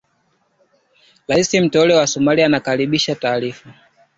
Rais mteule wa Somalia anakaribisha taarifa